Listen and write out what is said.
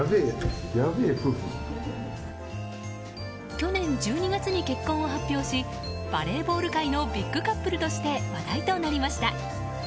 去年１２月に結婚を発表しバレーボール界のビッグカップルとして話題となりました。